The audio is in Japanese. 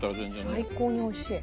最高においしい。